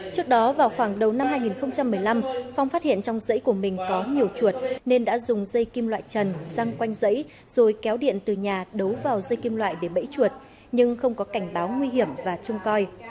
trước đó vào khoảng đầu năm hai nghìn một mươi năm phong phát hiện trong dãy của mình có nhiều chuột nên đã dùng dây kim loại trần răng quanh giấy rồi kéo điện từ nhà đấu vào dây kim loại để bẫy chuột nhưng không có cảnh báo nguy hiểm và trông coi